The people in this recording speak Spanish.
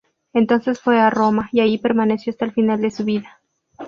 Entonces fue a Roma, y allí permaneció hasta el final de su vida.